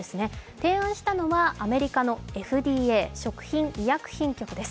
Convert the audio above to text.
提案したのはアメリカのＦＤＡ＝食品医薬品局です。